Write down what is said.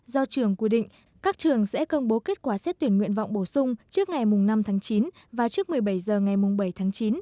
do trường quy định các trường sẽ công bố kết quả xét tuyển nguyện vọng bổ sung trước ngày năm tháng chín và trước một mươi bảy h ngày bảy tháng chín